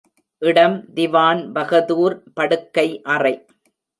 இடம் திவான் பகதூர் படுக்கை அறை.